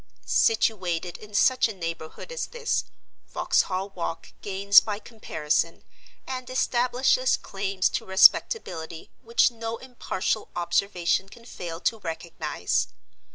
Situated in such a neighborhood as this, Vauxhall Walk gains by comparison, and establishes claims to respectability which no impartial observation can fail to recognize.